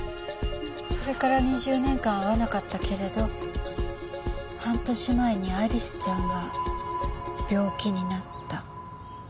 それから２０年間会わなかったけれど半年前にアリスちゃんが病気になった。